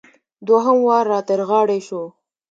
دوهم وار را تر غاړې شو.